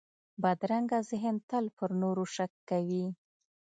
بدرنګه ذهن تل پر نورو شک کوي